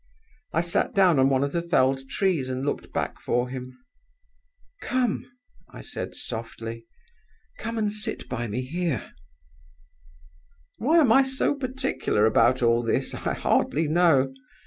I sat down on one of the felled trees and looked back for him. 'Come,' I said, softly 'come and sit by me here.' "Why am I so particular about all this? I hardly know.